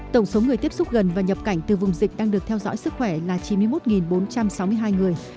tổng số người tiếp xúc gần và nhập cảnh từ vùng dịch đang được theo dõi sức khỏe là chín mươi một bốn trăm sáu mươi hai người